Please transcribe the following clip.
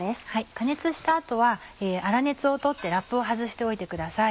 加熱した後は粗熱を取ってラップを外しておいてください。